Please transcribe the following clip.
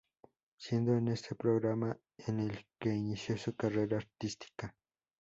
Siendo en este programa en el que inició su carrera artística.